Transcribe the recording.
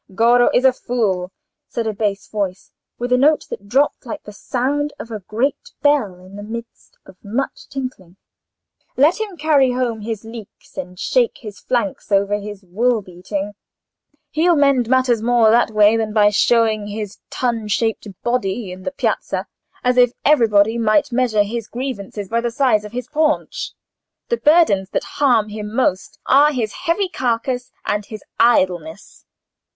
"Goro is a fool!" said a bass voice, with a note that dropped like the sound of a great bell in the midst of much tinkling. "Let him carry home his leeks and shake his flanks over his wool beating. He'll mend matters more that way than by showing his tun shaped body in the piazza, as if everybody might measure his grievances by the size of his paunch. The burdens that harm him most are his heavy carcass and his idleness."